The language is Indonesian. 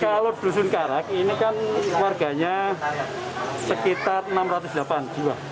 kalau dusun karak ini kan warganya sekitar enam ratus delapan jiwa